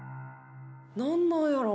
何なんやろ？